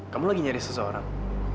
kamu lagi nyari seseorang